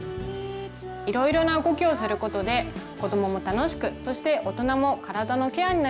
いろいろな動きをすることで子どもも楽しくそして大人も体のケアになります。